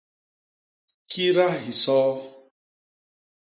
Kida hisoo.